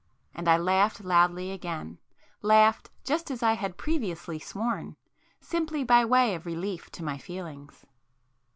And I laughed loudly again; laughed just as I had previously sworn, simply by way of relief to my feelings.